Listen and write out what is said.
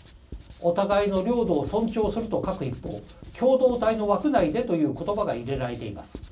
お互いの領土を尊重すると書く一方共同体の枠内でということばが入れられています。